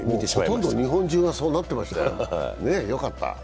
ほとんど日本中がそうなってましたよ、よかった。